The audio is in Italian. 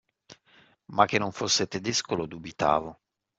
Ma che non fosse tedesco lo dubitavo.